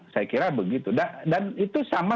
saya kira begitu dan itu sama